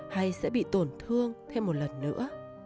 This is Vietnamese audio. hay sẽ bị tổn thương thêm một lần nữa